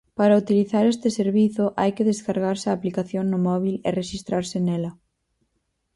Para utilizar este servizo hai que descargarse a aplicación no móbil e rexistrarse nela.